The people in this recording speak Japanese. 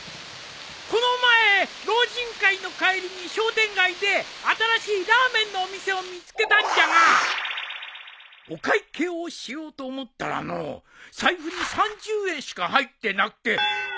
この前老人会の帰りに商店街で新しいラーメンのお店を見つけたんじゃがお会計をしようと思ったらのう財布に３０円しか入ってなくて大ピンチだったんじゃ。